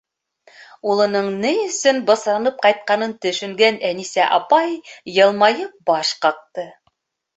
Улының ни өсөн бысранып ҡайтҡанын төшөнгән Әнисә апай йылмайып баш ҡаҡты.